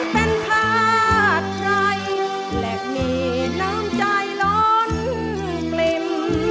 เป็นผ้าใจและมีน้ำใจร้อนกลิ่ม